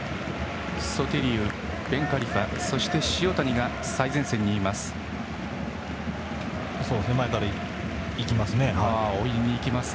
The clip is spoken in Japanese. ソティリウ、ベンカリファそして、塩谷が最前線にいます。